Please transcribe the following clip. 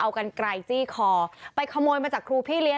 เอากันไกลจี้คอไปขโมยมาจากครูพี่เลี้ย